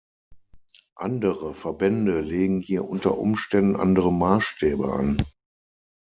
Andere Verbände legen hier unter Umständen andere Maßstäbe an.